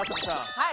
はい。